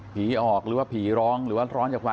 ออกหรือว่าผีร้องหรือว่าร้อนจากความ